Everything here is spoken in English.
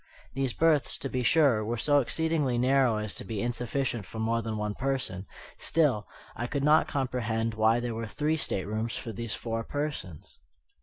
These berths, to be sure, were so exceedingly narrow as to be insufficient for more than one person; still, I could not comprehend why there were three staterooms for these four persons.